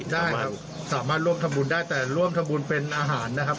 ได้ครับสามารถร่วมทำบุญได้แต่ร่วมทำบุญเป็นอาหารนะครับ